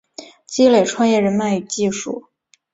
累积创业人脉与技术